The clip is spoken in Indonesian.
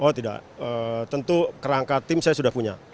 oh tidak tentu kerangka tim saya sudah punya